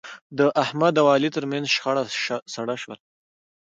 د احمد او علي ترمنځ شخړه سړه شوله.